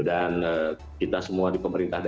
dan kita semua di pemerintah dayak